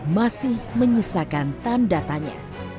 masih menyisakan tanda tanya